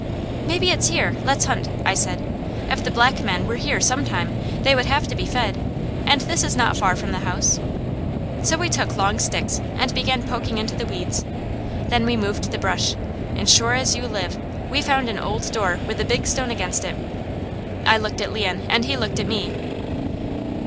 "Maybe it's here. Let's hunt," I said. "If the black men were here some time, they would have to be fed, and this is not far from the house." So we took long sticks and began poking into the weeds. Then we moved the brush, and sure as you live, we found an old door with a big stone against it. I looked at Leon and he looked at me.